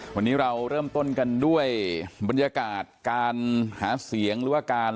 วันนี้เราเริ่มต้นกันด้วยบรรยากาศการหาเสียงหรือว่าการ